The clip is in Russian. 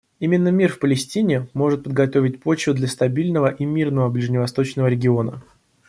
Именно мир в Палестине может подготовить почву для стабильного и мирного ближневосточного региона.